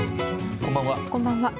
こんばんは。